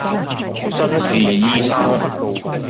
眞是醫生，